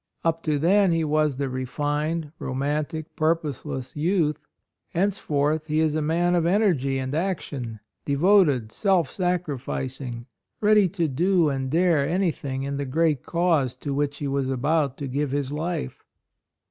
Up to then he was the refined, romantic, pur poseless youth ; henceforth he is a man of energy and action — devoted, self sacrificing, ready to do and dare anything in the great cause to which he was about to give his life.